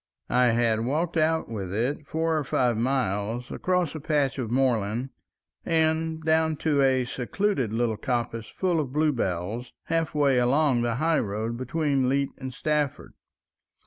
I had walked out with it four or five miles across a patch of moorland and down to a secluded little coppice full of blue bells, halfway along the high road between Leet and Stafford.